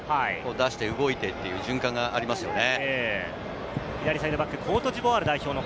出して動いてという循環がありますよね。